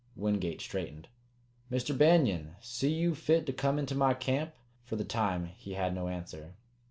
Wingate straightened. "Mr. Banion! So you see fit to come into my camp?" For the time he had no answer.